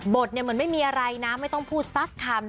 เหมือนไม่มีอะไรนะไม่ต้องพูดสักคำ